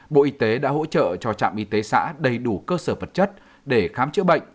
bộ y tế đã hỗ trợ cho trạm y tế xã đầy đủ cơ sở vật chất để khám chữa bệnh